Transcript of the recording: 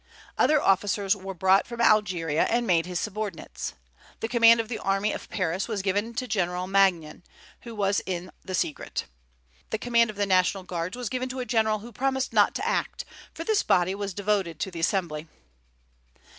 Other officers were brought from Algeria and made his subordinates. The command of the army of Paris was given to General Magnan, who was in the secret. The command of the National Guards was given to a general who promised not to act, for this body was devoted to the Assembly.